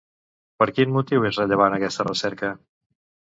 Per quin motiu és rellevant aquesta recerca?